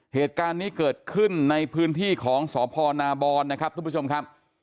เหตุการณ์นี้เกิดขึ้นในพื้นที่ของสพนาบรนะครับทุกผู้ชมครับ